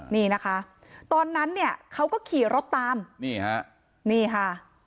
นี่นะคะตอนนั้นเนี่ยเขาก็ขี่รถตามนี่ฮะนี่ค่ะ